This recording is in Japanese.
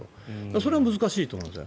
それは難しいと思います。